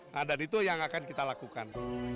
nah dan itu yang akan kita lakukan